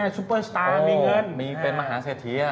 เรื่องอะไรเนี้ยมีเหงินมีตังค์มีมีเป็นมหาเสภีอ่ะ